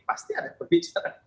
pasti ada pembicaraan politik